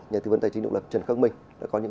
nhà tư vấn tài chính động lập trần khắc minh